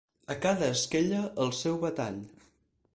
A cada esquella, el seu batall.